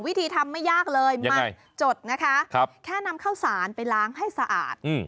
วิธีทำไม่ยากเลยมาจดนะคะแค่นำข้าวสารไปล้างให้สะอาด